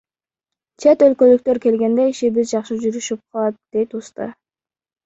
Чет өлкөлүктөр келгенде ишибиз жакшы жүрүшүп калат, — дейт уста.